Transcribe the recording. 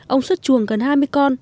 ông xuất chuồng gần hai mươi con